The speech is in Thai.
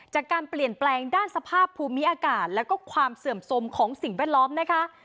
จากการเปลี่ยนแปลงด้านสภาพภูมิอากาศแล้วก็ความเสื่อมสมของสิ่งแวดล้อมนะคะ